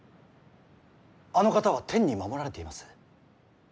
あの方は天に守られています。